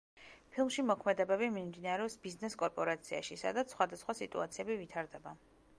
ფილმში მოქმედებები მიმდინარეობს ბიზნეს კორპორაციაში, სადაც სხვადასხვა სიტუაციები ვითარდება.